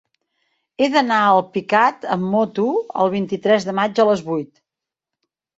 He d'anar a Alpicat amb moto el vint-i-tres de maig a les vuit.